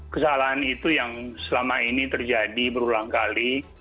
kesalahan itu yang selama ini terjadi berulang kali